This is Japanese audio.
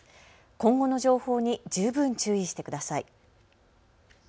今後の情報に十分注意してください。